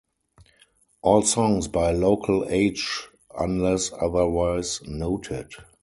All songs by Local H unless otherwise noted.